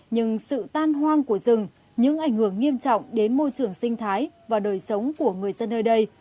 nhưng sự tan hoang của rừng những ảnh hưởng nghiêm trọng đến môi trường sinh thái và đời sống của người dân nơi đây